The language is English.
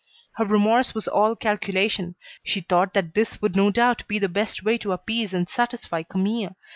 Her remorse was all calculation. She thought that this would no doubt be the best way to appease and satisfy Camille.